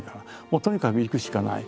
もうとにかく行くしかない。